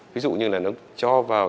ví dụ như là nó cho vào